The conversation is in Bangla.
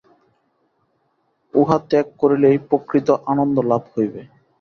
উহা ত্যাগ করিলেই প্রকৃত আনন্দ লাভ হইবে।